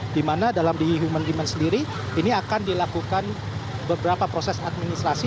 di mana dalam di human human sendiri ini akan dilakukan beberapa proses administrasi